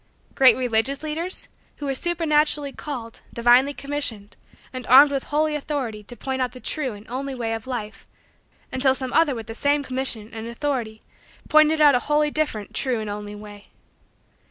Great religious leaders who were supernaturally called, divinely commissioned, and armed with holy authority to point out the true and only way of life until some other with the same call, commission, and authority, pointed out a wholly different true and only way?